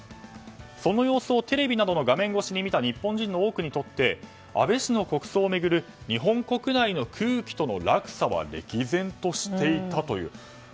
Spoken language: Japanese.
その様子をテレビなどの画面越しに見た日本人の多くにとって安倍氏の国葬を巡る日本国内の空気との落差は歴然としていたという。